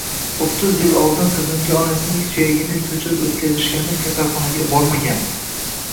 O`ttiz yil oldin qizimga onasining suyagini ko`chirib o`tkazishganda kasalxonaga bormagandim